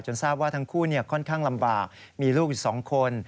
ทราบว่าทั้งคู่ค่อนข้างลำบากมีลูกอีก๒คน